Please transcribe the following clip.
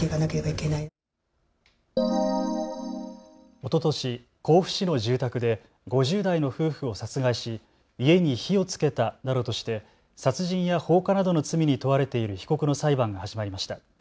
おととし、甲府市の住宅で５０代の夫婦を殺害し家に火をつけたなどとして殺人や放火などの罪に問われている被告の裁判が始まりました。